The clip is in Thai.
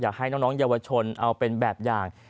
อยากให้น้องเยาวชนเอาเป็นแบบอย่าง